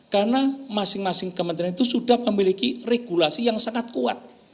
karena masing masing kementerian itu sudah memiliki regulasi yang sangat kuat